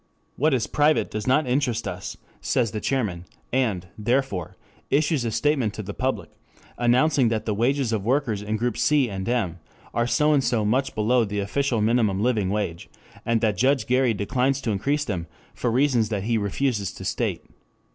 What is private does not interest us, says the chairman, and, therefore, issues a statement to the public announcing that the wages of workers in groups C and M are so and so much below the official minimum living wage, and that Judge Gary declines to increase them for reasons that he refuses to state.